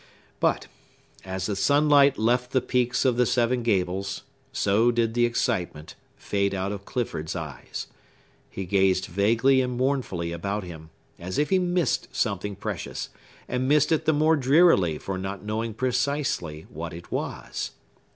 But, as the sunlight left the peaks of the Seven Gables, so did the excitement fade out of Clifford's eyes. He gazed vaguely and mournfully about him, as if he missed something precious, and missed it the more drearily for not knowing precisely what it was.